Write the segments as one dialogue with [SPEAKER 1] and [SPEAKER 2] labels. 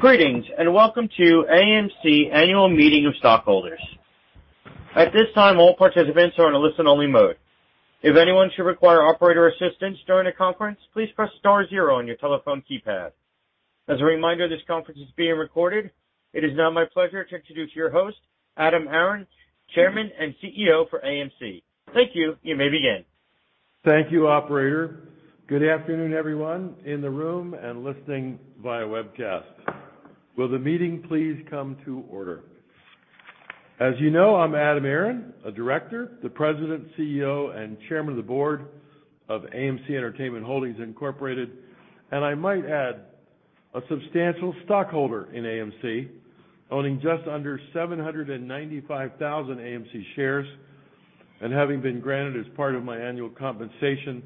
[SPEAKER 1] Greetings, and welcome to AMC Annual Meeting of Stockholders. At this time, all participants are on a listen-only mode. If anyone should require operator assistance during the conference, please press star zero on your telephone keypad. As a reminder, this conference is being recorded. It is now my pleasure to introduce your host, Adam Aron, Chairman and CEO for AMC. Thank you. You may begin.
[SPEAKER 2] Thank you, operator. Good afternoon, everyone in the room and listening via webcast. Will the meeting please come to order? As you know, I'm Adam Aron, a director, the President, CEO, and Chairman of the Board of AMC Entertainment Holdings, Incorporated, and I might add, a substantial stockholder in AMC, owning just under 795,000 AMC shares, and having been granted as part of my annual compensation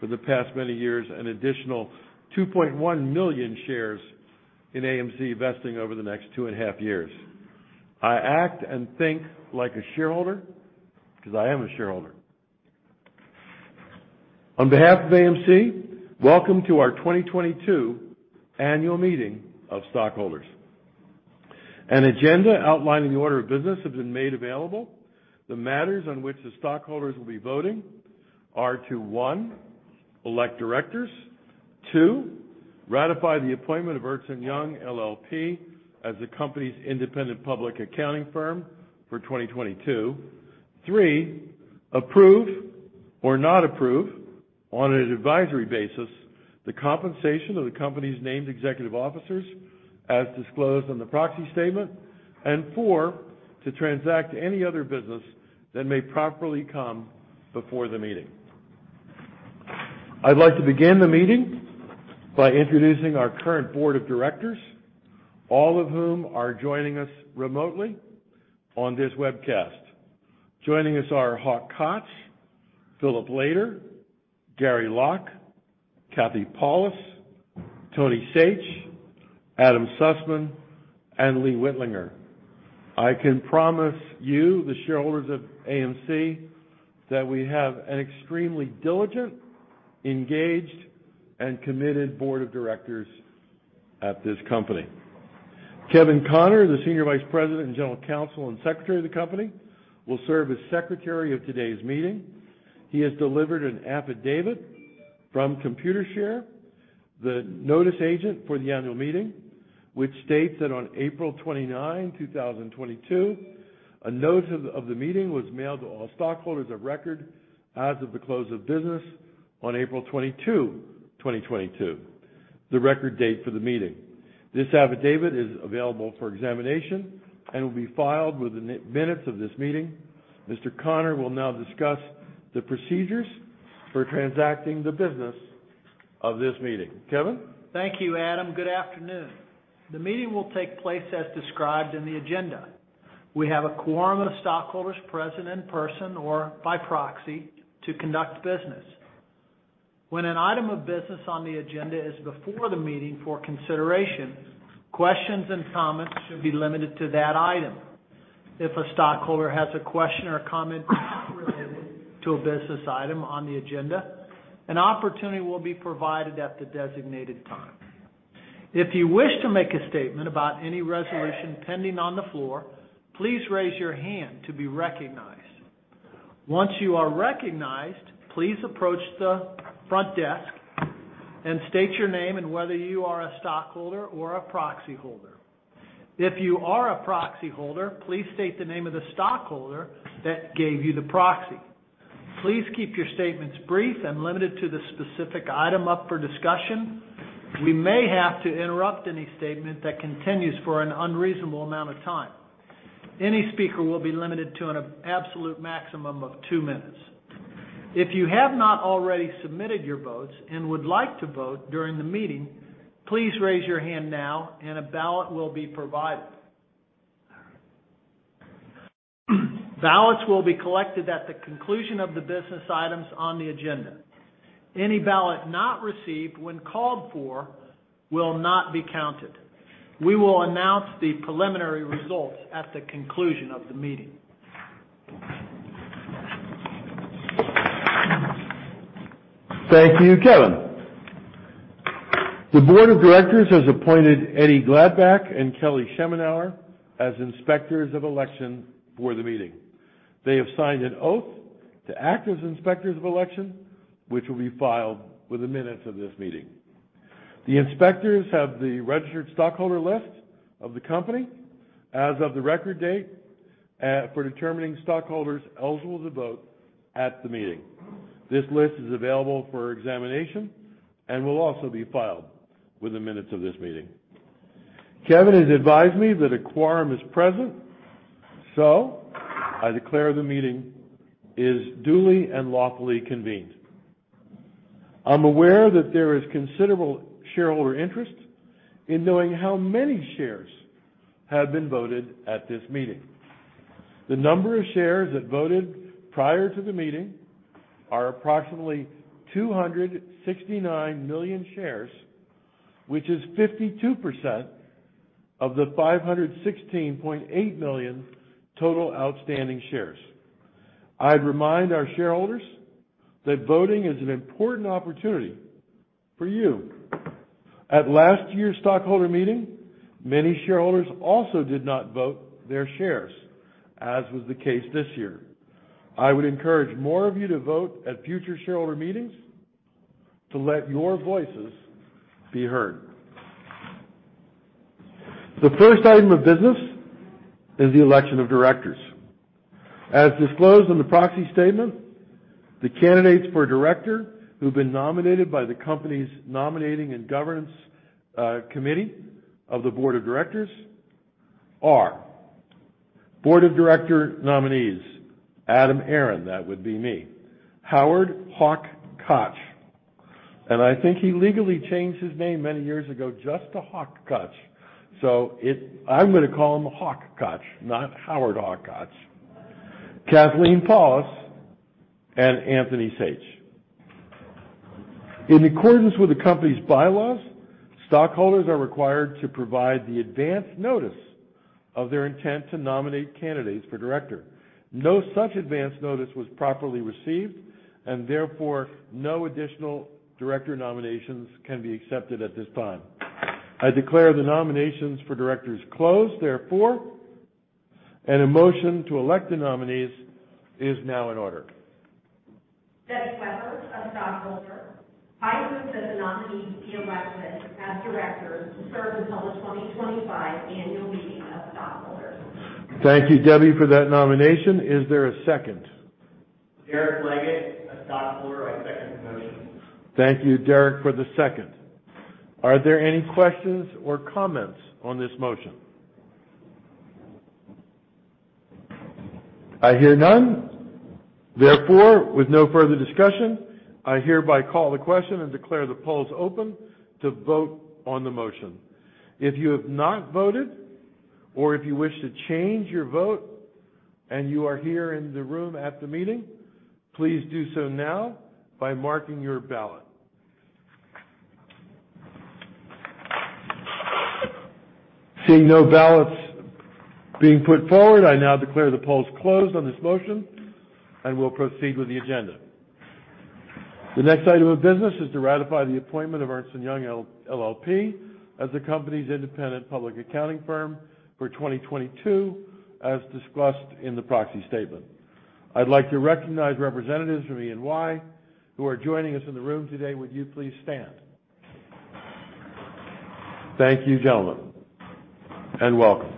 [SPEAKER 2] for the past many years, an additional 2.1 million shares in AMC vesting over the next 2.5 years. I act and think like a shareholder 'cause I am a shareholder. On behalf of AMC, welcome to our 2022 annual meeting of stockholders. An agenda outlining the order of business has been made available. The matters on which the stockholders will be voting are to, one, elect directors. Two, ratify the appointment of Ernst & Young LLP as the company's independent public accounting firm for 2022. Three, approve or not approve on an advisory basis the compensation of the company's named executive officers as disclosed on the proxy statement. Four, to transact any other business that may properly come before the meeting. I'd like to begin the meeting by introducing our current board of directors, all of whom are joining us remotely on this webcast. Joining us are Hawk Koch, Philip Lader, Gary Locke, Kathy Paulus, Anthony Saich, Adam Sussman, and Lee Wittlinger. I can promise you, the shareholders of AMC, that we have an extremely diligent, engaged, and committed board of directors at this company. Kevin Connor, the Senior Vice President and General Counsel and Secretary of the company, will serve as Secretary of today's meeting. He has delivered an affidavit from Computershare, the notice agent for the annual meeting, which states that on April 29, 2022, a notice of the meeting was mailed to all stockholders of record as of the close of business on April 22, 2022, the record date for the meeting. This affidavit is available for examination and will be filed with the minutes of this meeting. Mr. Connor will now discuss the procedures for transacting the business of this meeting. Kevin?
[SPEAKER 3] Thank you, Adam. Good afternoon. The meeting will take place as described in the agenda. We have a quorum of stockholders present in person or by proxy to conduct business. When an item of business on the agenda is before the meeting for consideration, questions and comments should be limited to that item. If a stockholder has a question or comment not related to a business item on the agenda, an opportunity will be provided at the designated time. If you wish to make a statement about any resolution pending on the floor, please raise your hand to be recognized. Once you are recognized, please approach the front desk and state your name and whether you are a stockholder or a proxy holder. If you are a proxy holder, please state the name of the stockholder that gave you the proxy. Please keep your statements brief and limited to the specific item up for discussion. We may have to interrupt any statement that continues for an unreasonable amount of time. Any speaker will be limited to an absolute maximum of 2 minutes. If you have not already submitted your votes and would like to vote during the meeting, please raise your hand now and a ballot will be provided. Ballots will be collected at the conclusion of the business items on the agenda. Any ballot not received when called for will not be counted. We will announce the preliminary results at the conclusion of the meeting.
[SPEAKER 2] Thank you, Kevin. The board of directors has appointed Eddie Gladbach and Kelly Schemenauer as inspectors of election for the meeting. They have signed an oath to act as inspectors of election, which will be filed with the minutes of this meeting. The inspectors have the registered stockholder list of the company as of the record date for determining stockholders eligible to vote at the meeting. This list is available for examination and will also be filed with the minutes of this meeting. Kevin has advised me that a quorum is present, so I declare the meeting is duly and lawfully convened. I'm aware that there is considerable shareholder interest in knowing how many shares have been voted at this meeting. The number of shares that voted prior to the meeting are approximately 269 million shares, which is 52% of the 516.8 million total outstanding shares. I'd remind our shareholders that voting is an important opportunity for you. At last year's stockholder meeting, many shareholders also did not vote their shares, as was the case this year. I would encourage more of you to vote at future shareholder meetings to let your voices be heard. The first item of business is the election of directors. As disclosed in the proxy statement, the candidates for director who've been nominated by the company's Nominating and Governance Committee of the Board of Directors are Board of Director nominees, Adam Aron, that would be me, Howard W. “Hawk” Koch, Jr., and I think he legally changed his name many years ago just to “Hawk” Koch. I'm gonna call him Hawk Koch, not Howard Hawk Koch. Kathleen Pawlus and Anthony Saich. In accordance with the company's bylaws, stockholders are required to provide the advance notice of their intent to nominate candidates for director. No such advance notice was properly received, and therefore, no additional director nominations can be accepted at this time. I declare the nominations for directors closed. Therefore, a motion to elect the nominees is now in order.
[SPEAKER 4] Debbi Webber, a stockholder. I move that the nominees be elected as directors to serve until the 2025 annual meeting of stockholders.
[SPEAKER 2] Thank you, Debbi, for that nomination. Is there a second? Thank you, Derek, for the second. Are there any questions or comments on this motion? I hear none. Therefore, with no further discussion, I hereby call the question and declare the polls open to vote on the motion. If you have not voted or if you wish to change your vote and you are here in the room at the meeting, please do so now by marking your ballot. Seeing no ballots being put forward, I now declare the polls closed on this motion and we'll proceed with the agenda. The next item of business is to ratify the appointment of Ernst & Young LLP as the company's independent public accounting firm for 2022, as discussed in the proxy statement. I'd like to recognize representatives from EY who are joining us in the room today. Would you please stand? Thank you, gentlemen, and welcome.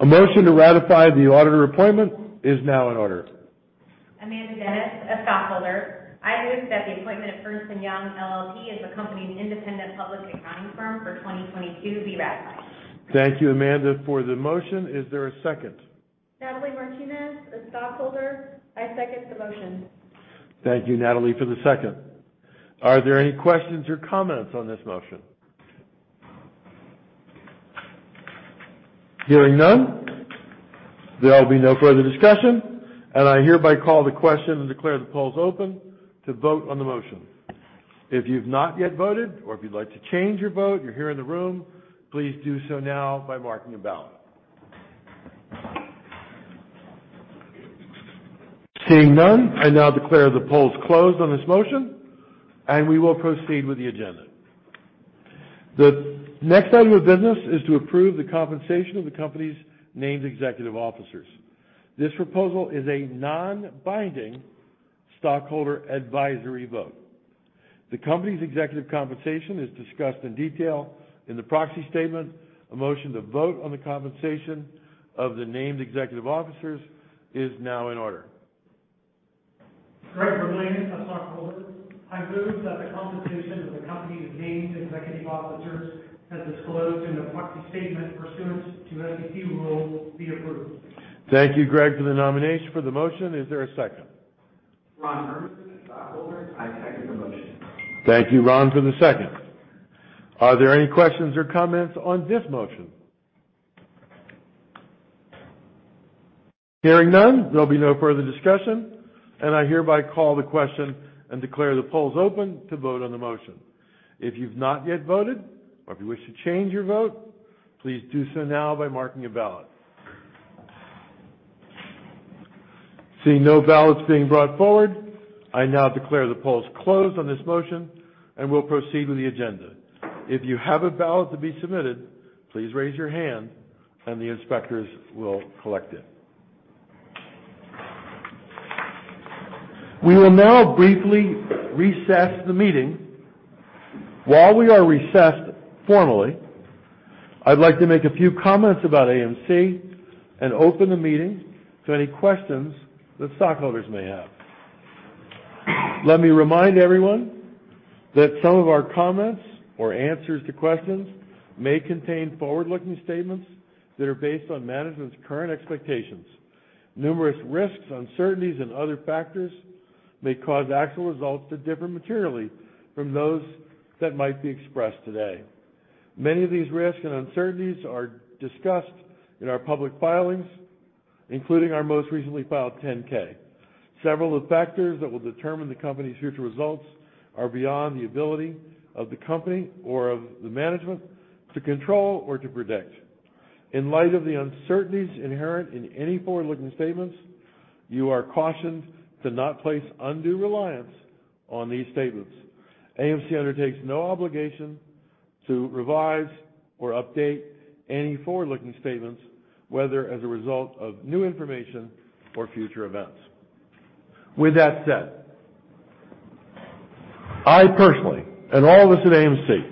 [SPEAKER 2] A motion to ratify the auditor appointment is now in order.
[SPEAKER 5] Amanda Dennis, a stockholder. I move that the appointment of Ernst & Young LLP as the company's independent public accounting firm for 2022 be ratified.
[SPEAKER 2] Thank you, Amanda, for the motion. Is there a second?
[SPEAKER 6] Natalie Martinez, a stockholder. I second the motion.
[SPEAKER 2] Thank you, Natalie, for the second. Are there any questions or comments on this motion? Hearing none, there'll be no further discussion, and I hereby call the question and declare the polls open to vote on the motion. If you've not yet voted or if you'd like to change your vote, you're here in the room, please do so now by marking a ballot. Seeing none, I now declare the polls closed on this motion, and we will proceed with the agenda. The next item of business is to approve the compensation of the company's named executive officers. This proposal is a non-binding stockholder advisory vote. The company's executive compensation is discussed in detail in the proxy statement. A motion to vote on the compensation of the named executive officers is now in order.
[SPEAKER 7] Gregory Verlanes, a stockholder. I move that the compensation of the company's named executive officers, as disclosed in the proxy statement pursuant to SEC rule, be approved.
[SPEAKER 2] Thank you, Greg, for the motion. Is there a second? Thank you, Ron, for the second. Are there any questions or comments on this motion? Hearing none, there'll be no further discussion, and I hereby call the question and declare the polls open to vote on the motion. If you've not yet voted, or if you wish to change your vote, please do so now by marking a ballot. Seeing no ballots being brought forward, I now declare the polls closed on this motion, and we'll proceed with the agenda. If you have a ballot to be submitted, please raise your hand and the inspectors will collect it. We will now briefly recess the meeting. While we are recessed formally, I'd like to make a few comments about AMC and open the meeting to any questions that stockholders may have. Let me remind everyone that some of our comments or answers to questions may contain forward-looking statements that are based on management's current expectations. Numerous risks, uncertainties, and other factors may cause actual results to differ materially from those that might be expressed today. Many of these risks and uncertainties are discussed in our public filings, including our most recently filed 10-K. Several of the factors that will determine the company's future results are beyond the ability of the company or of the management to control or to predict. In light of the uncertainties inherent in any forward-looking statements, you are cautioned to not place undue reliance on these statements. AMC undertakes no obligation to revise or update any forward-looking statements, whether as a result of new information or future events. With that said, I personally, and all of us at AMC,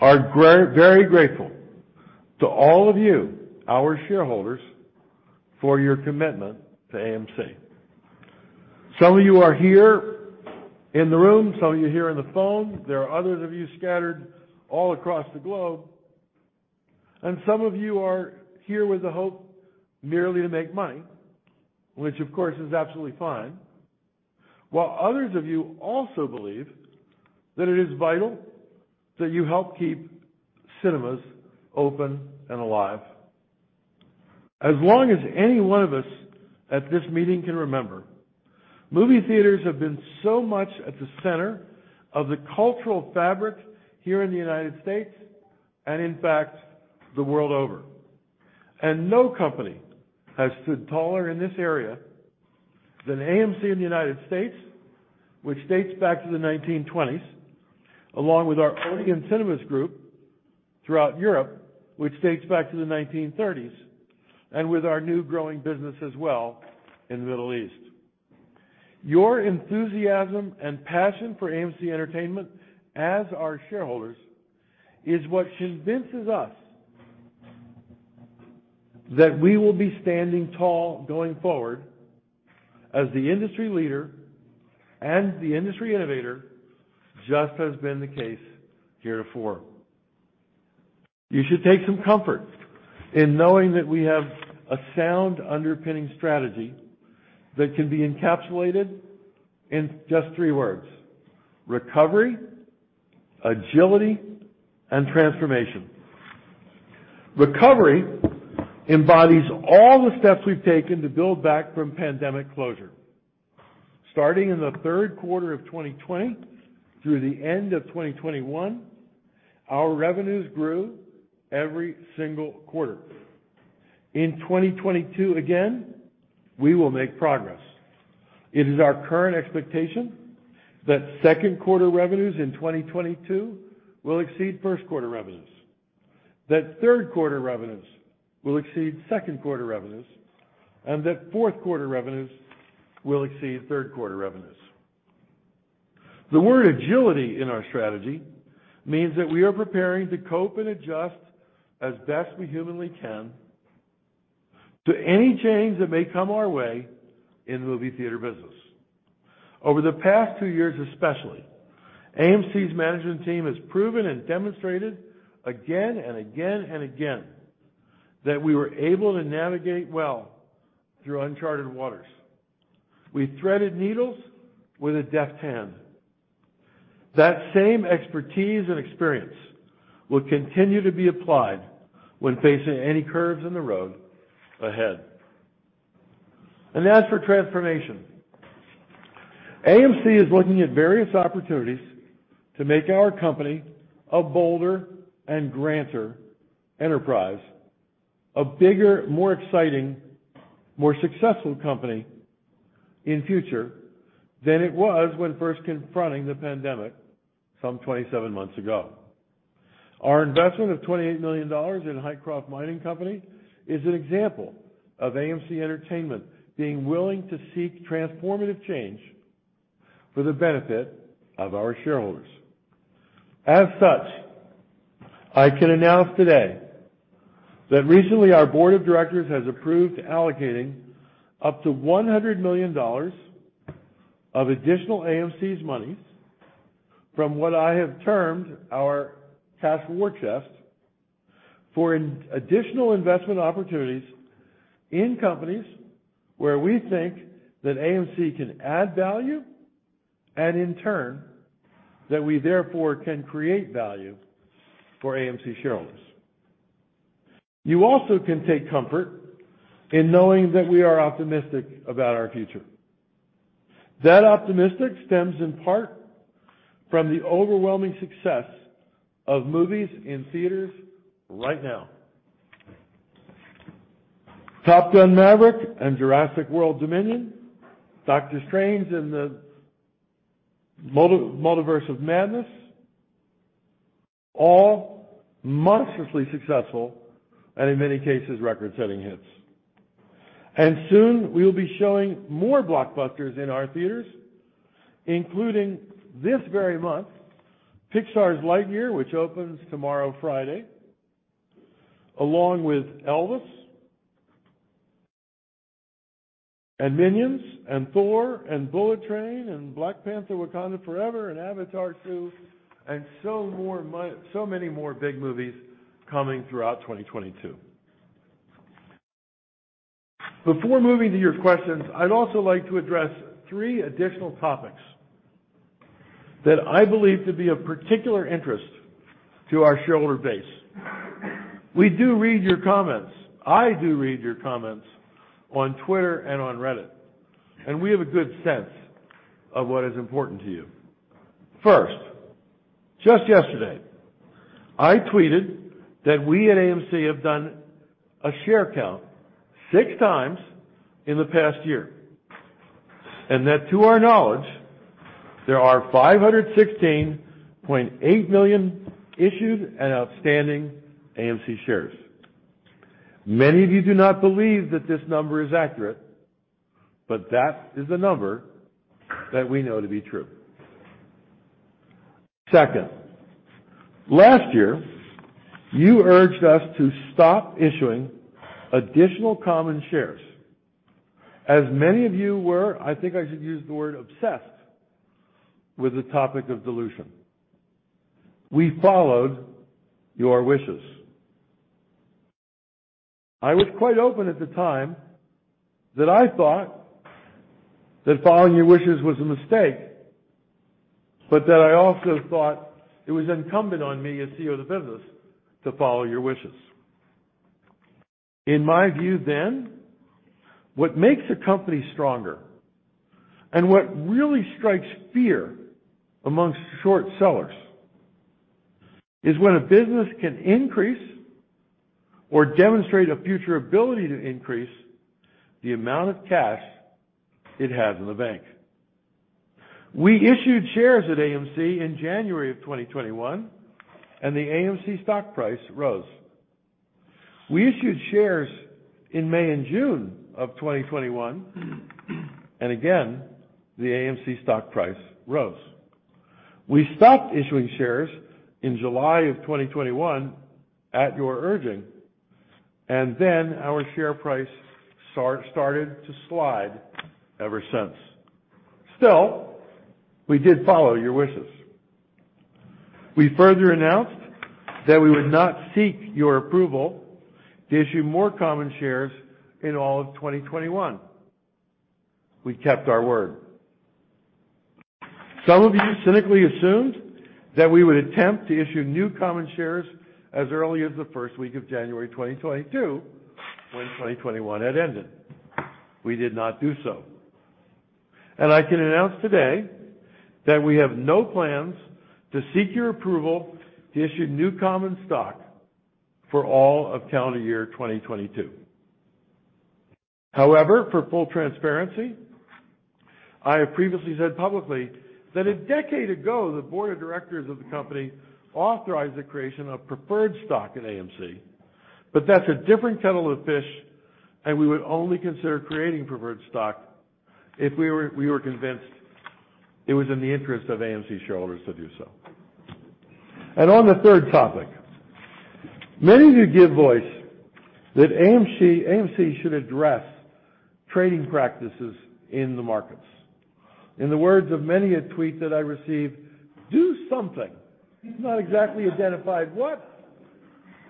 [SPEAKER 2] are very grateful to all of you, our shareholders, for your commitment to AMC. Some of you are here in the room, some of you are here on the phone. There are others of you scattered all across the globe, and some of you are here with the hope merely to make money, which of course is absolutely fine. While others of you also believe that it is vital that you help keep cinemas open and alive. As long as any one of us at this meeting can remember, movie theaters have been so much at the center of the cultural fabric here in the United States and, in fact, the world over. No company has stood taller in this area than AMC in the United States, which dates back to the 1920s, along with our Odeon Cinemas Group throughout Europe, which dates back to the 1930s, and with our new growing business as well in the Middle East. Your enthusiasm and passion for AMC Entertainment as our shareholders is what convinces us that we will be standing tall going forward as the industry leader and the industry innovator, just as has been the case heretofore. You should take some comfort in knowing that we have a sound underpinning strategy that can be encapsulated in just three words, recovery, agility, and transformation. Recovery embodies all the steps we've taken to build back from pandemic closure. Starting in the third quarter of 2020 through the end of 2021, our revenues grew every single quarter. In 2022, again, we will make progress. It is our current expectation that second quarter revenues in 2022 will exceed first quarter revenues, that third quarter revenues will exceed second quarter revenues, and that fourth quarter revenues will exceed third quarter revenues. The word agility in our strategy means that we are preparing to cope and adjust as best we humanly can to any change that may come our way in movie theater business. Over the past two years, especially, AMC's management team has proven and demonstrated again and again and again that we were able to navigate well through uncharted waters. We threaded needles with a deft hand. That same expertise and experience will continue to be applied when facing any curves in the road ahead. As for transformation, AMC is looking at various opportunities to make our company a bolder and grander enterprise, a bigger, more exciting, more successful company in future than it was when first confronting the pandemic some 27 months ago. Our investment of $28 million in Hycroft Mining Holding Corporation is an example of AMC Entertainment being willing to seek transformative change for the benefit of our shareholders. As such, I can announce today that recently our board of directors has approved allocating up to $100 million of additional AMC's monies from what I have termed our cash war chest for additional investment opportunities in companies where we think that AMC can add value and in turn, that we therefore can create value for AMC shareholders. You also can take comfort in knowing that we are optimistic about our future. That optimism stems in part from the overwhelming success of movies in theaters right now. Top Gun: Maverick and Jurassic World Dominion, Doctor Strange in the Multiverse of Madness, all monstrously successful and in many cases, record-setting hits. Soon we will be showing more blockbusters in our theaters, including this very month, Pixar's Lightyear, which opens tomorrow, Friday, along with Elvis and Minions and Thor and Bullet Train and Black Panther: Wakanda Forever and Avatar Two, so many more big movies coming throughout 2022. Before moving to your questions, I'd also like to address three additional topics. That I believe to be of particular interest to our shareholder base. We do read your comments. I do read your comments on Twitter and on Reddit, and we have a good sense of what is important to you. First, just yesterday, I tweeted that we at AMC have done a share count six times in the past year. That to our knowledge, there are 516.8 million issued and outstanding AMC shares. Many of you do not believe that this number is accurate, but that is the number that we know to be true. Second, last year, you urged us to stop issuing additional common shares. As many of you were, I think I should use the word obsessed with the topic of dilution. We followed your wishes. I was quite open at the time that I thought that following your wishes was a mistake, but that I also thought it was incumbent on me as CEO of the business to follow your wishes. In my view then, what makes a company stronger and what really strikes fear amongst short sellers is when a business can increase or demonstrate a future ability to increase the amount of cash it has in the bank. We issued shares at AMC in January of 2021, and the AMC stock price rose. We issued shares in May and June of 2021, and again, the AMC stock price rose. We stopped issuing shares in July of 2021 at your urging, and then our share price started to slide ever since. Still, we did follow your wishes. We further announced that we would not seek your approval to issue more common shares in all of 2021. We kept our word. Some of you cynically assumed that we would attempt to issue new common shares as early as the first week of January 2022 when 2021 had ended. We did not do so. I can announce today that we have no plans to seek your approval to issue new common stock for all of calendar year 2022. However, for full transparency, I have previously said publicly that a decade ago, the board of directors of the company authorized the creation of preferred stock at AMC, but that's a different kettle of fish, and we would only consider creating preferred stock if we were convinced it was in the interest of AMC shareholders to do so. On the third topic, many of you give voice that AMC should address trading practices in the markets. In the words of many a tweet that I received, "Do something." It's not exactly identified what,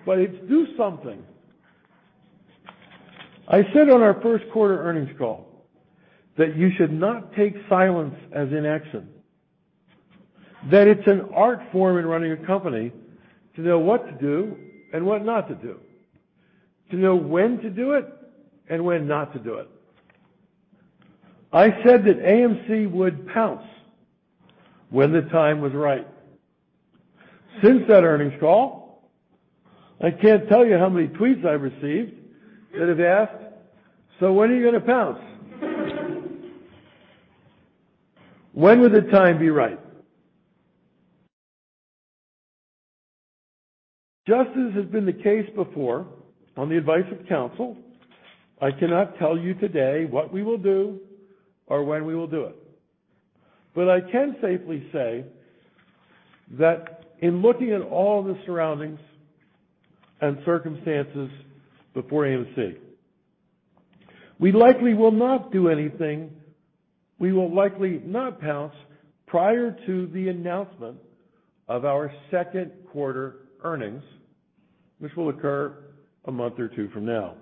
[SPEAKER 2] but it's do something. I said on our first quarter earnings call that you should not take silence as inaction. That it's an art form in running a company to know what to do and what not to do, to know when to do it and when not to do it. I said that AMC would pounce when the time was right. Since that earnings call, I can't tell you how many tweets I've received that have asked, "So when are you gonna pounce?" When would the time be right? Just as has been the case before on the advice of counsel, I cannot tell you today what we will do or when we will do it. I can safely say that in looking at all the surroundings and circumstances before AMC, we likely will not do anything. We will likely not pounce prior to the announcement of our second quarter earnings, which will occur a month or two from now.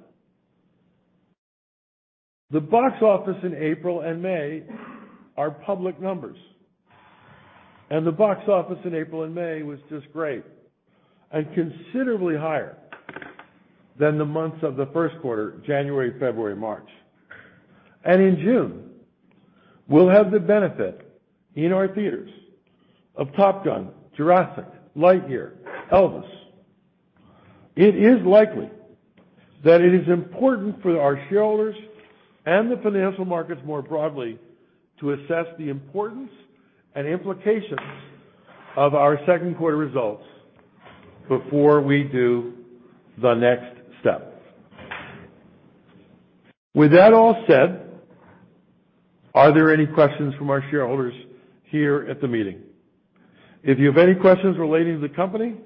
[SPEAKER 2] The box office in April and May are public numbers, and the box office in April and May was just great and considerably higher than the months of the first quarter, January, February, March. In June, we'll have the benefit in our theaters of Top Gun, Jurassic, Lightyear, Elvis. It is likely that it is important for our shareholders and the financial markets more broadly to assess the importance and implications of our second quarter results before we do the next step. With that all said, are there any questions from our shareholders here at the meeting? If you have any questions relating to the company,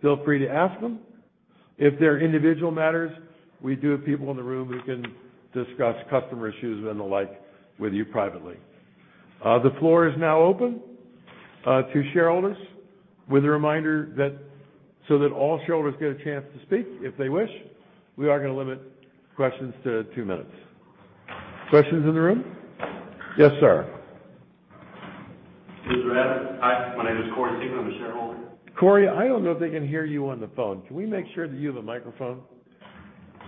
[SPEAKER 2] feel free to ask them. If they're individual matters, we do have people in the room who can discuss customer issues and the like with you privately. The floor is now open to shareholders with a reminder that so that all shareholders get a chance to speak if they wish. We are gonna limit questions to two minutes. Questions in the room? Yes, sir.
[SPEAKER 8] Mr. Aron, hi. My name is Corey Siegel. I'm a shareholder.
[SPEAKER 2] Corey, I don't know if they can hear you on the phone. Can we make sure that you have a microphone?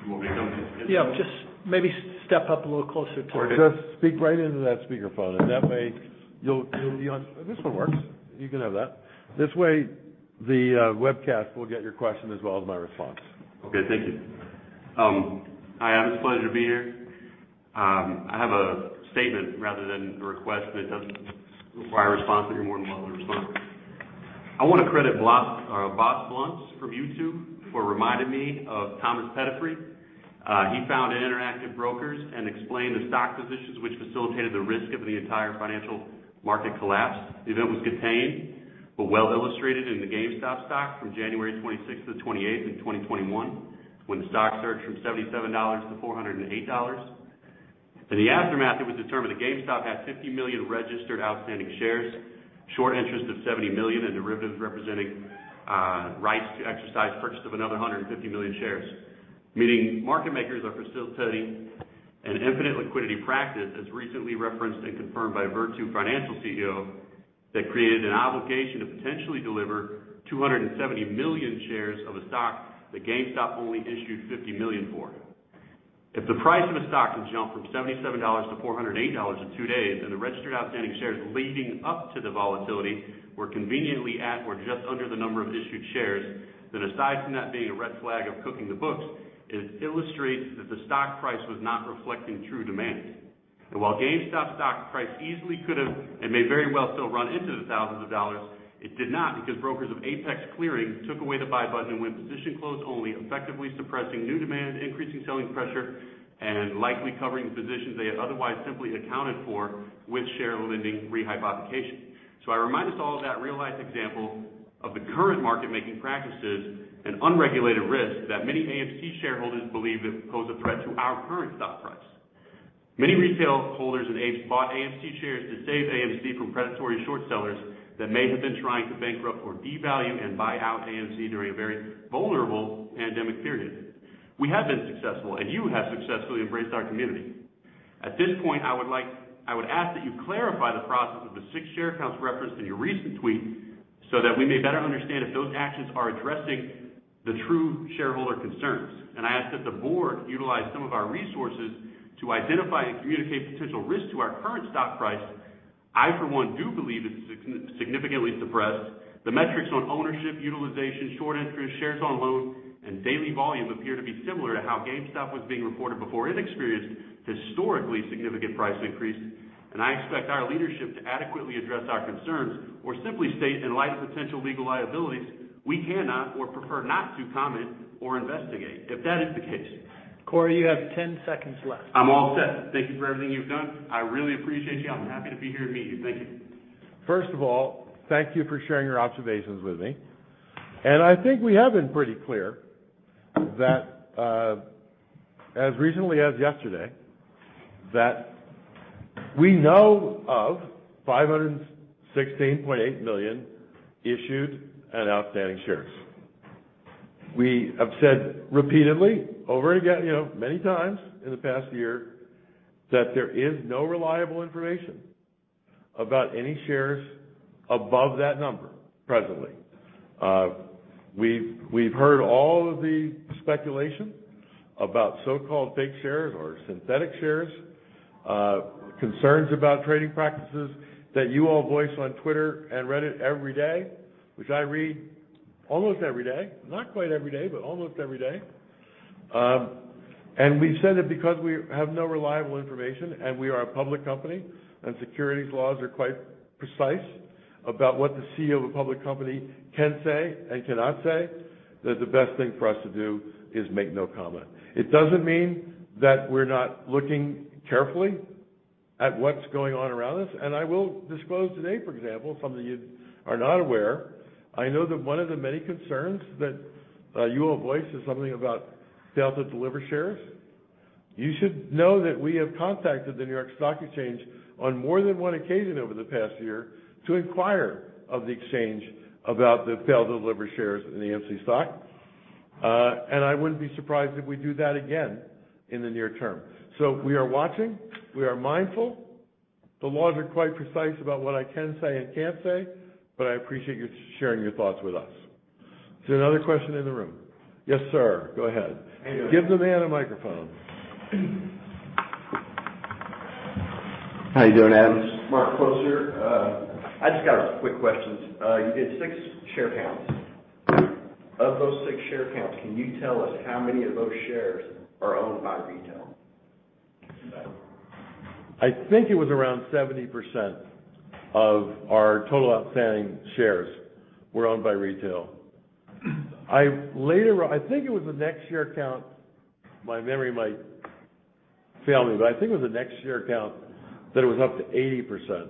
[SPEAKER 8] You want me to come to get one?
[SPEAKER 3] Yeah, just maybe step up a little closer to him.
[SPEAKER 2] Just speak right into that speaker phone, and that way you'll, you know. This one works. You can have that. This way the webcast will get your question as well as my response.
[SPEAKER 8] Okay, thank you. Hi, Adam, it's a pleasure to be here. I have a statement rather than a request, but it doesn't require a response, but you're more than welcome to respond. I wanna credit Boss Blunts from YouTube for reminding me of Thomas Peterffy. He founded Interactive Brokers and explained the stock positions which facilitated the risk of the entire financial market collapse. The event was contained, but well illustrated in the GameStop stock from January 26th to the 28th in 2021, when the stock surged from $77 to $408. In the aftermath, it was determined that GameStop had 50 million registered outstanding shares, short interest of 70 million, and derivatives representing rights to exercise purchase of another 150 million shares. Meaning market makers are facilitating an infinite liquidity practice as recently referenced and confirmed by Virtu Financial CEO that created an obligation to potentially deliver 270 million shares of a stock that GameStop only issued 50 million for. If the price of a stock can jump from $77 to $408 in two days, and the registered outstanding shares leading up to the volatility were conveniently at or just under the number of issued shares, then aside from that being a red flag of cooking the books, it illustrates that the stock price was not reflecting true demand. While GameStop's stock price easily could have and may very well still run into the thousands of dollars, it did not because brokers of Apex Clearing took away the buy button and went position close only, effectively suppressing new demand, increasing selling pressure, and likely covering positions they had otherwise simply accounted for with share lending rehypothecation. I remind us all of that real life example of the current market making practices and unregulated risk that many AMC shareholders believe it pose a threat to our current stock price. Many retail holders and apes bought AMC shares to save AMC from predatory short sellers that may have been trying to bankrupt or devalue and buy out AMC during a very vulnerable pandemic period. We have been successful, and you have successfully embraced our community. At this point, I would ask that you clarify the process of the six share counts referenced in your recent tweet so that we may better understand if those actions are addressing the true shareholder concerns. I ask that the board utilize some of our resources to identify and communicate potential risk to our current stock price. I, for one, do believe it's significantly suppressed. The metrics on ownership, utilization, short entries, shares on loan, and daily volume appear to be similar to how GameStop was being reported before it experienced historically significant price increase. I expect our leadership to adequately address our concerns or simply state, in light of potential legal liabilities, we cannot or prefer not to comment or investigate if that is the case.
[SPEAKER 3] Corey, you have 10 seconds left.
[SPEAKER 8] I'm all set. Thank you for everything you've done. I really appreciate you. I'm happy to be here and meet you. Thank you.
[SPEAKER 2] First of all, thank you for sharing your observations with me. I think we have been pretty clear that as recently as yesterday we know of 516.8 million issued and outstanding shares. We have said repeatedly over again, you know, many times in the past year that there is no reliable information about any shares above that number presently. We've heard all of the speculation about so-called fake shares or synthetic shares, concerns about trading practices that you all voice on Twitter and Reddit every day, which I read almost every day, not quite every day, but almost every day. We've said that because we have no reliable information and we are a public company and securities laws are quite precise about what the CEO of a public company can say and cannot say, that the best thing for us to do is make no comment. It doesn't mean that we're not looking carefully at what's going on around us. I will disclose today, for example, some of you are not aware. I know that one of the many concerns that you all voice is something about failed to deliver shares. You should know that we have contacted the New York Stock Exchange on more than one occasion over the past year to inquire of the exchange about the failed to deliver shares in the AMC stock. I wouldn't be surprised if we do that again in the near term. We are watching, we are mindful. The laws are quite precise about what I can say and can't say, but I appreciate you sharing your thoughts with us. Is there another question in the room? Yes, sir. Go ahead. Give the man a microphone.
[SPEAKER 9] How you doing, Adams? Mark Klosner. I just got quick questions. You did 6 share counts. Of those 6 share counts, can you tell us how many of those shares are owned by retail?
[SPEAKER 2] I think it was around 70% of our total outstanding shares were owned by retail. I later on, I think it was the next share count. My memory might fail me, but I think it was the next share count that it was up to 80%.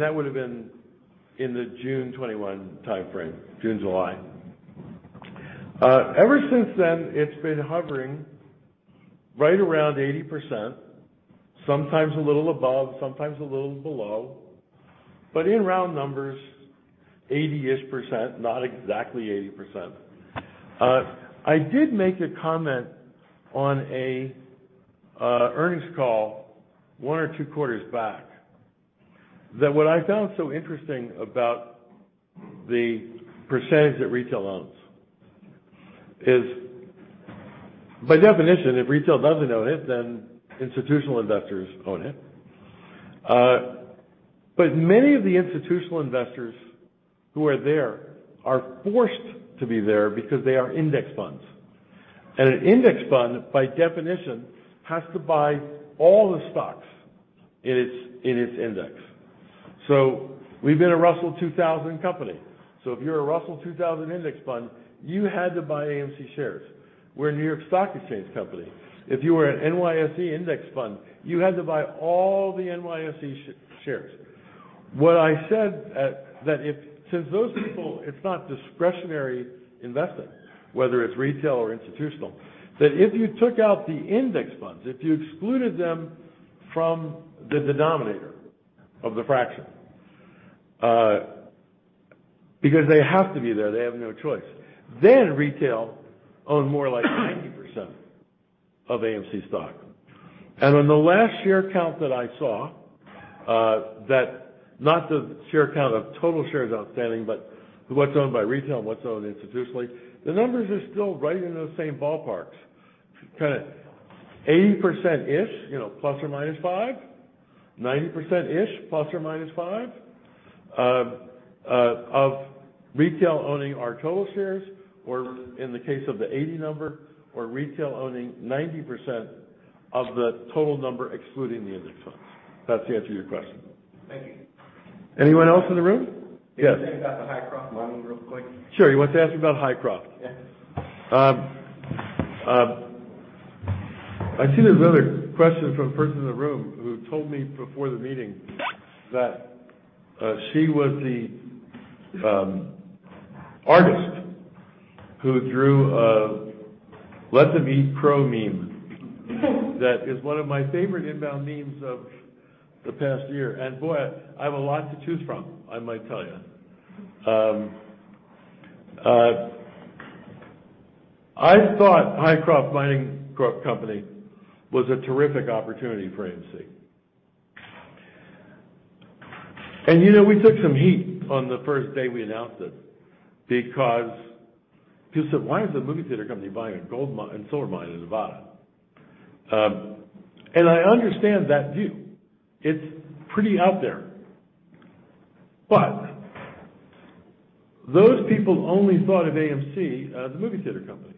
[SPEAKER 2] That would have been in the June 2021 timeframe, June/July. Ever since then, it's been hovering right around 80%, sometimes a little above, sometimes a little below. In round numbers, 80-ish%, not exactly 80%. I did make a comment on an earnings call one or two quarters back that what I found so interesting about the percentage that retail owns is, by definition, if retail doesn't own it, then institutional investors own it. Many of the institutional investors who are there are forced to be there because they are index funds. An index fund, by definition, has to buy all the stocks in its index. We've been a Russell 2000 company. If you're a Russell 2000 index fund, you had to buy AMC shares. We're a New York Stock Exchange company. If you were an NYSE index fund, you had to buy all the NYSE shares. What I said that since those people, it's not discretionary investing, whether it's retail or institutional, that if you took out the index funds, if you excluded them from the denominator of the fraction, because they have to be there, they have no choice, then retail own more like 90% of AMC stock. On the last share count that I saw, that not the share count of total shares outstanding, but what's owned by retail and what's owned institutionally, the numbers are still right in those same ballparks. Kinda 80%-ish, you know, plus or minus five, 90%-ish, plus or minus five, of retail owning our total shares, or in the case of the 80 number, or retail owning 90% of the total number excluding the index funds. Does that answer your question? Thank you. Anyone else in the room?
[SPEAKER 9] Yes. Can you talk about the Hycroft Mining real quick?
[SPEAKER 2] Sure. You want to ask me about Hycroft? Yes. I see there's another question from a person in the room who told me before the meeting that she was the artist who drew a Let Them Eat Crow meme. That is one of my favorite inbound memes of the past year. Boy, I have a lot to choose from, I might tell you. I thought Hycroft Mining Holding Corporation was a terrific opportunity for AMC. You know, we took some heat on the first day we announced it because people said, "Why is a movie theater company buying a silver mine in Nevada?" I understand that view. It's pretty out there. Those people only thought of AMC as a movie theater company.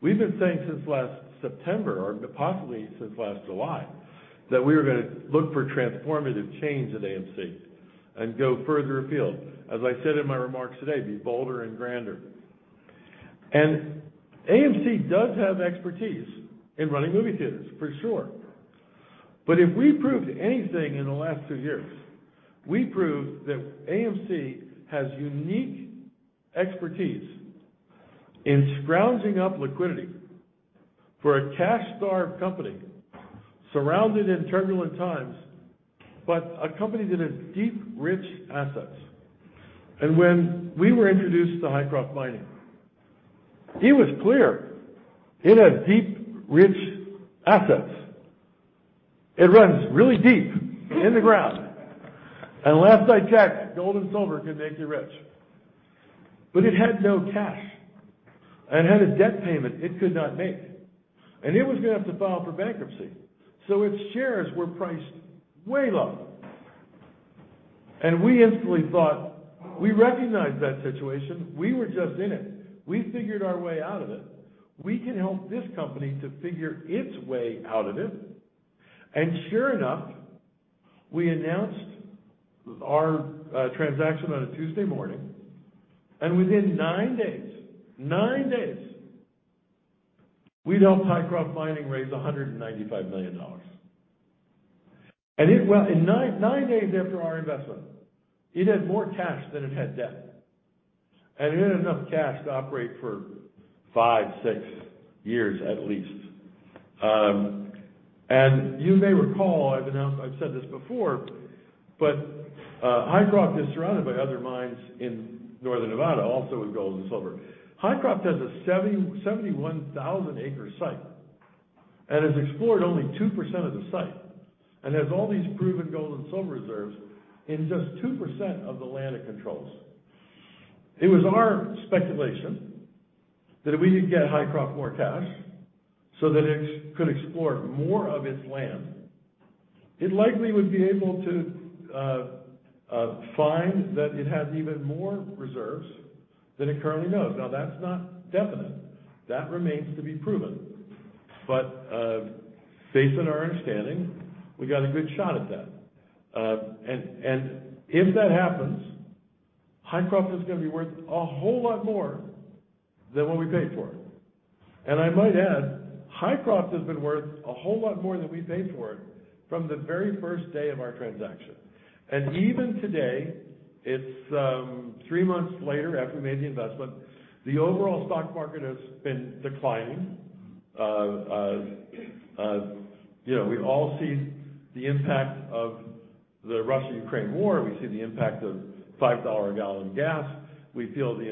[SPEAKER 2] We've been saying since last September or possibly since last July, that we were gonna look for transformative change at AMC and go further afield. As I said in my remarks today, be bolder and grander. AMC does have expertise in running movie theaters for sure. If we proved anything in the last two years, we proved that AMC has unique expertise in scrounging up liquidity for a cash-starved company surrounded in turbulent times, but a company that has deep, rich assets. When we were introduced to Hycroft Mining, it was clear it had deep, rich assets. It runs really deep in the ground. Last I checked, gold and silver can make you rich. It had no cash and had a debt payment it could not make, and it was gonna have to file for bankruptcy, so its shares were priced way low. We instantly thought we recognized that situation. We were just in it. We figured our way out of it. We can help this company to figure its way out of it. Sure enough, we announced our transaction on a Tuesday morning, and within nine days, we helped Hycroft Mining raise $195 million. Nine days after our investment, it had more cash than it had debt. It had enough cash to operate for five, six years at least. You may recall, I've said this before, but Hycroft is surrounded by other mines in Northern Nevada, also in gold and silver. Hycroft has a 71,000-acre site and hasexplored only 2% of the site, and has all these proven gold and silver reserves in just 2% of the land it controls. It was our speculation that if we could get Hycroft more cash so that it could explore more of its land, it likely would be able to find that it has even more reserves than it currently knows. Now, that's not definite. That remains to be proven. But based on our understanding, we got a good shot at that. If that happens, Hycroft is gonna be worth a whole lot more than what we paid for it. I might add, Hycroft has been worth a whole lot more than we paid for it from the very first day of our transaction. Even today, it's three months later after we made the investment, the overall stock market has been declining. You know, we all see the impact of the Russia-Ukraine war. We see the impact of $5-a-gallon gas. We feel the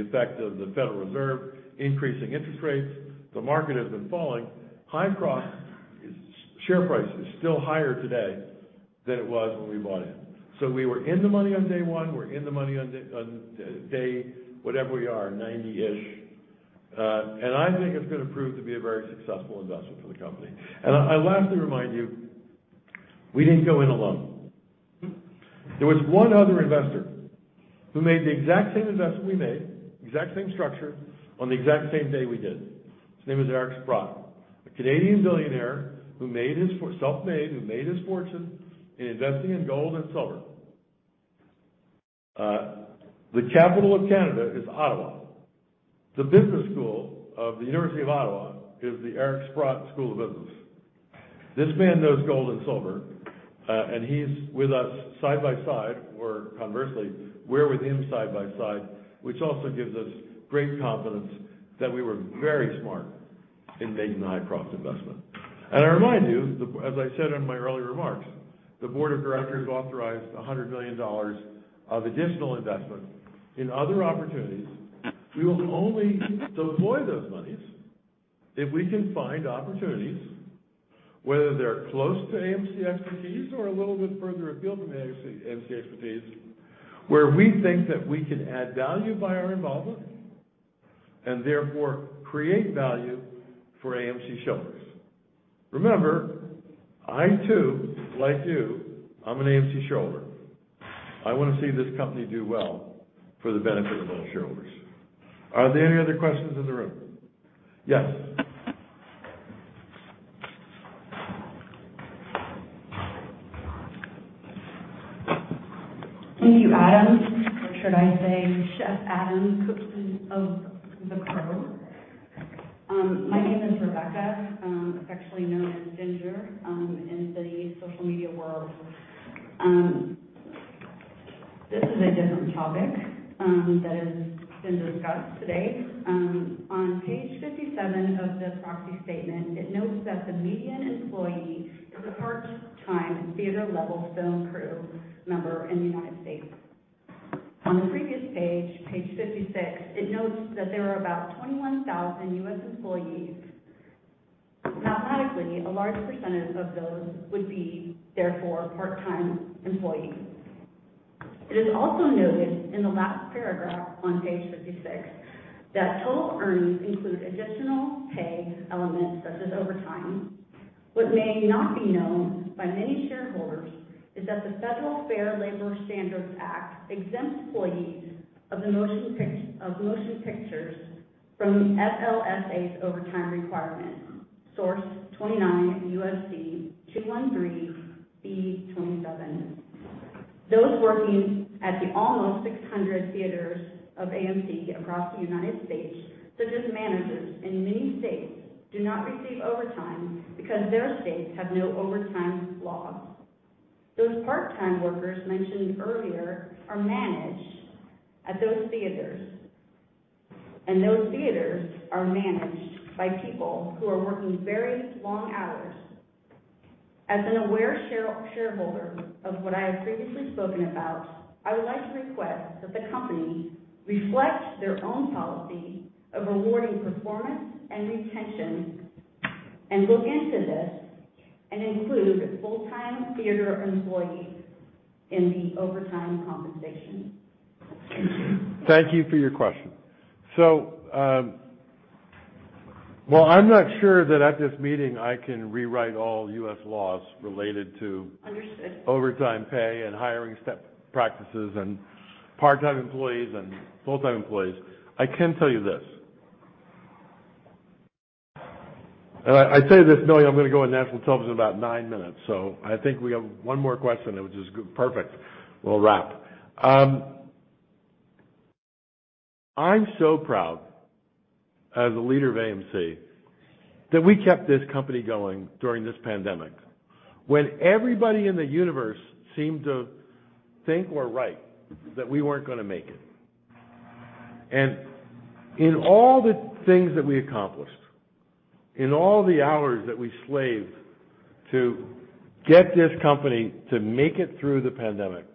[SPEAKER 2] effect of the Federal Reserve increasing interest rates. The market has been falling. Hycroft's share price is still higher today than it was when we bought in. We were in the money on day one. We're in the money on day whatever we are, ninety-ish. I think it's gonna prove to be a very successful investment for the company. I lastly remind you, we didn't go in alone. There was one other investor who made the exact same investment we made, exact same structure on the exact same day we did. His name is Eric Sprott, a self-made Canadian billionaire who made his fortune in investing in gold and silver. The capital of Canada is Ottawa. The business school of Carleton University is the Sprott School of Business. This man knows gold and silver, and he's with us side by side, or conversely, we're with him side by side, which also gives us great confidence that we were very smart in making the Hycroft investment. I remind you, as I said in my earlier remarks, the board of directors authorized $100 million of additional investment in other opportunities. We will only deploy those monies if we can find opportunities, whether they're close to AMC expertise or a little bit further afield than the AMC expertise, where we think that we can add value by our involvement, and therefore create value for AMC shareholders. Remember, I too, like you, I'm an AMC shareholder. I wanna see this company do well for the benefit of all shareholders. Are there any other questions in the room? Yes.
[SPEAKER 10] Thank you, Adam, or should I say Chef Adam, cook of The Crow. My name is Rebecca, affectionately known as Ginger, in the social media world. This is a different topic that has been discussed today. On page 57 of this proxy statement, it notes that the median employee is a part-time theater level film crew member in the United States. On the previous page 56, it notes that there are about 21,000 U.S. employees. Mathematically, a large percentage of those would be, therefore, part-time employees. It is also noted in the last paragraph on page 56 that total earnings include additional pay elements such as overtime. What may not be known by many shareholders is that the Fair Labor Standards Act exempts employees of the motion pictures from the FLSA's overtime requirement, 29 USC 213(b)(27). Those working at the almost 600 theaters of AMC across the United States, such as managers in many states, do not receive overtime because their states have no overtime laws. Those part-time workers mentioned earlier are managed at those theaters, and those theaters are managed by people who are working very long hours. As an aware shareholder of what I have previously spoken about, I would like to request that the company reflect their own policy of rewarding performance and retention and look into this and include full-time theater employees in the overtime compensation. Thank you.
[SPEAKER 2] Thank you for your question. I'm not sure that at this meeting I can rewrite all U.S. laws related to.
[SPEAKER 10] Understood.
[SPEAKER 2] Overtime pay and hiring step practices and part-time employees and full-time employees. I can tell you this. I say this knowing I'm gonna go on national television in about nine minutes, so I think we have one more question, which is great. Perfect. We'll wrap. I'm so proud as a leader of AMC that we kept this company going during this pandemic when everybody in the universe seemed to think or write that we weren't gonna make it. In all the things that we accomplished, in all the hours that we slaved to get this company to make it through the pandemic,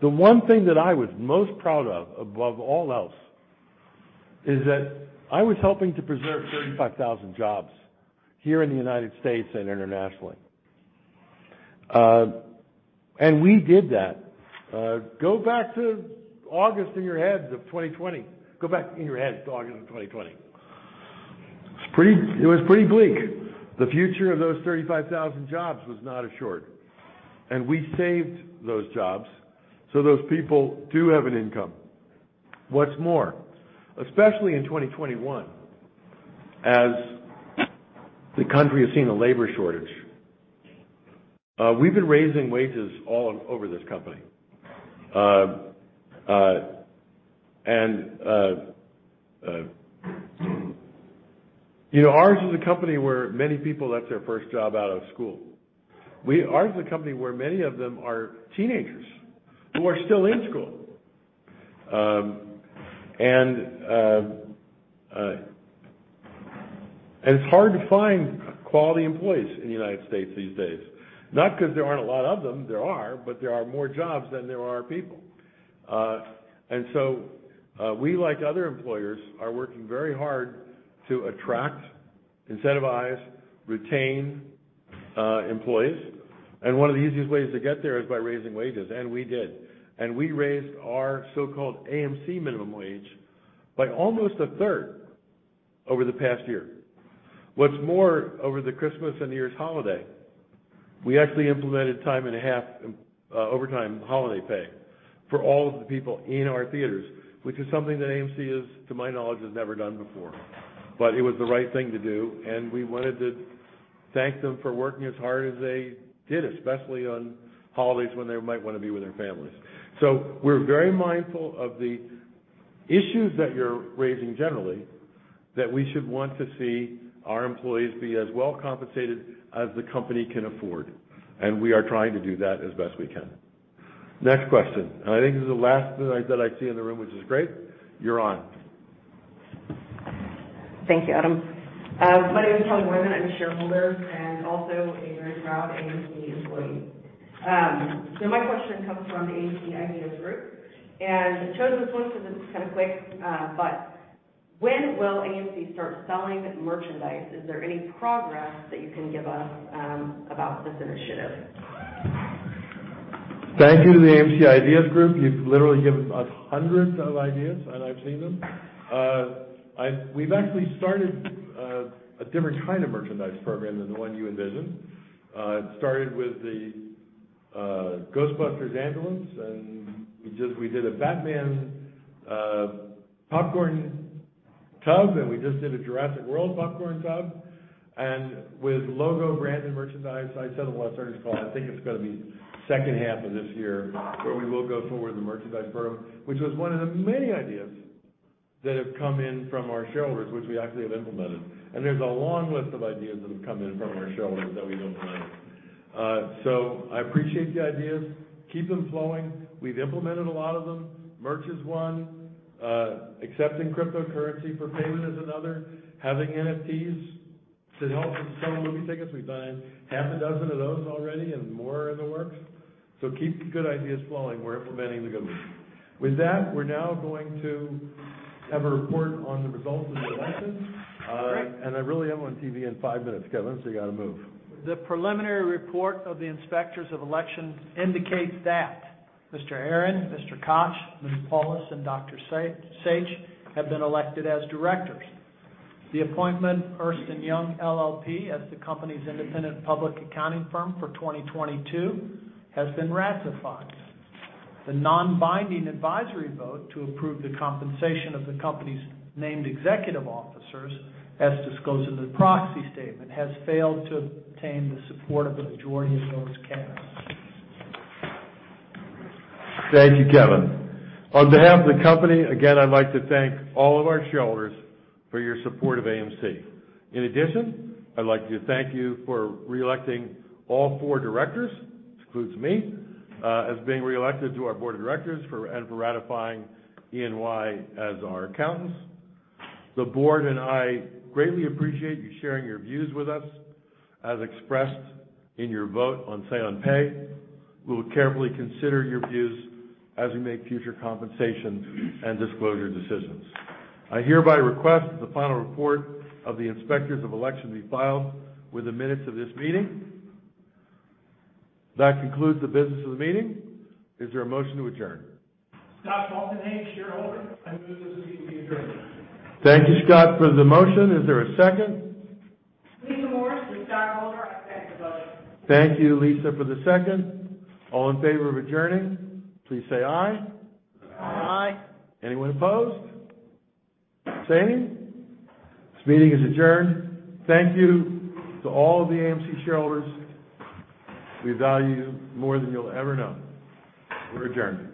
[SPEAKER 2] the one thing that I was most proud of above all else is that I was helping to preserve 35,000 jobs here in the United States and internationally. We did that. Go back to August in your heads of 2020. Go back in your heads to August of 2020. It was pretty bleak. The future of those 35,000 jobs was not assured. We saved those jobs so those people do have an income. What's more, especially in 2021, as the country has seen a labor shortage, we've been raising wages all over this company. You know, ours is a company where many people, that's their first job out of school. Ours is a company where many of them are teenagers who are still in school. It's hard to find quality employees in the United States these days. Not because there aren't a lot of them, there are, but there are more jobs than there are people. We, like other employers, are working very hard to attract, incentivize, retain employees. One of the easiest ways to get there is by raising wages, and we did. We raised our so-called AMC minimum wage by almost a third over the past year. What's more, over the Christmas and New Year's holiday, we actually implemented time and a half overtime holiday pay for all of the people in our theaters, which is something that AMC, to my knowledge, has never done before. It was the right thing to do, and we wanted to thank them for working as hard as they did, especially on holidays when they might wanna be with their families. We're very mindful of the issues that you're raising generally, that we should want to see our employees be as well compensated as the company can afford, and we are trying to do that as best we can. Next question. I think this is the last that I see in the room, which is great. You're on.
[SPEAKER 11] Thank you, Adam. My name is Toni Wyman. I'm a shareholder and also a very proud AMC employee. My question comes from the AMC Investor Connect. I chose this one because it's kind of quick. When will AMC start selling merchandise? Is there any progress that you can give us about this initiative?
[SPEAKER 2] Thank you to the AMC Ideas Group. You've literally given us hundreds of ideas, and I've seen them. We've actually started a different kind of merchandise program than the one you envision. It started with the Ghostbusters ambulance, and we did a Batman popcorn tub, and we did a Jurassic World popcorn tub. With logo branded merchandise, I said when I started, I think it's gonna be second half of this year where we will go forward with the merchandise program, which was one of the many ideas that have come in from our shareholders, which we actually have implemented. There's a long list of ideas that have come in from our shareholders that we will implement. I appreciate the ideas. Keep them flowing. We've implemented a lot of them. Merch is one. Accepting cryptocurrency for payment is another. Having NFTs to help sell movie tickets. We've done half a dozen of those already and more in the works. Keep the good ideas flowing. We're implementing the good ones. With that, we're now going to have a report on the results of the election.
[SPEAKER 11] Great.
[SPEAKER 2] I really am on TV in five minutes, Kevin, so you gotta move.
[SPEAKER 3] The preliminary report of the inspectors of election indicates that Mr. Aron, Mr. Koch, Kathleen Pawlus, and Dr. Saich have been elected as directors. The appointment Ernst & Young LLP as the company's independent public accounting firm for 2022 has been ratified. The non-binding advisory vote to approve the compensation of the company's named executive officers, as disclosed in the proxy statement, has failed to obtain the support of the majority of votes cast.
[SPEAKER 2] Thank you, Kevin. On behalf of the company, again, I'd like to thank all of our shareholders for your support of AMC. In addition, I'd like to thank you for reelecting all four directors, which includes me as being reelected to our board of directors and for ratifying EY as our accountants. The board and I greatly appreciate you sharing your views with us as expressed in your vote on say on pay. We will carefully consider your views as we make future compensation and disclosure decisions. I hereby request the final report of the inspectors of election be filed with the minutes of this meeting. That concludes the business of the meeting. Is there a motion to adjourn? Thank you, Scott, for the motion. Is there a second? Thank you, Lisa, for the second. All in favor of adjourning, please say aye.
[SPEAKER 11] Aye.
[SPEAKER 2] Anyone opposed? Same. This meeting is adjourned. Thank you to all of the AMC shareholders. We value you more than you'll ever know. We're adjourned.